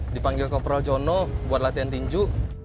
dipanggil ngobrol jono buat latihan tinju